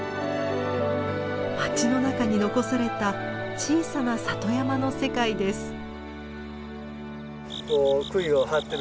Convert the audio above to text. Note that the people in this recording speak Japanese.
町の中に残された小さな里山の世界です。